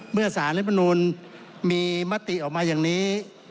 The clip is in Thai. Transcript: เมื่อสหรัฐนิพนุนมีมะติออกมาอย่างนี้